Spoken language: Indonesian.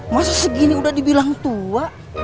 masa segini udah dibilang tua